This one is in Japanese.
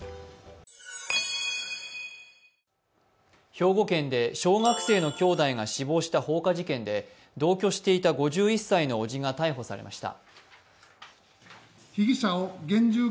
兵庫県で小学生の兄弟が死亡した放火事件で同居していた５１歳の伯父が逮捕されました。